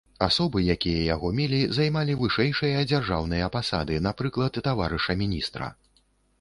Асобы, якія яго мелі, займалі вышэйшыя дзяржаўныя пасады, напрыклад таварыша міністра.